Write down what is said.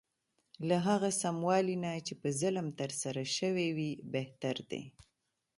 له هغه سموالي نه چې په ظلم ترسره شوی وي بهتر دی.